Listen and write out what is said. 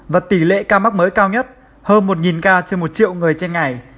và tỷ lệ ca mắc mới cao nhất hơn một ca trên một triệu người trên ngày